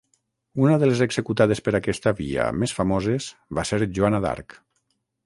Una de les executades per aquesta via més famoses va ser Joana d'Arc.